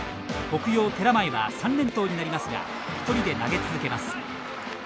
北陽・寺前は３連投になりますが一人で投げ続けます。